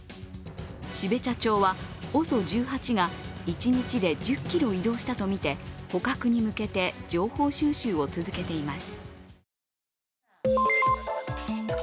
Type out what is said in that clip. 標茶町は、ＯＳＯ１８が一日で１０ｋｍ移動したとみて捕獲に向けて情報収集を続けています。